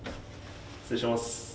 失礼します。